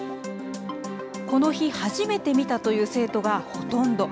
この日初めて見たという生徒がほとんど。